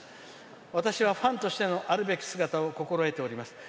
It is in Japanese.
「私はファンとしてのあるべき姿を心得ております。